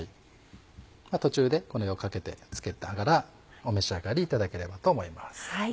途中でこれをかけて付けながらお召し上がりいただければと思います。